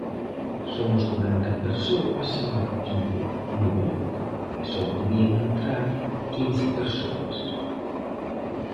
Somos corenta persoas en activo no grupo e só podían entrar quince persoas.